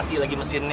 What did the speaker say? kalian itu pegang saya